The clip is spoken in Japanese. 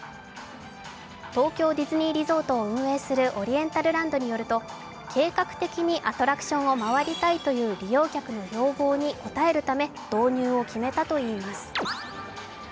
東京ディズニーリゾートを運営するオリエンタルランドによると計画的にアトラクションを回りたいという利用客の要望に応えるため導入を決めたといいます。